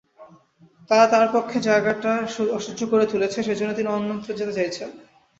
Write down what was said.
তারা তাঁর পক্ষে জায়গাটা অসহ্য করে তুলেছে, সে জন্য তিনি অন্যত্র যেতে চাইছেন।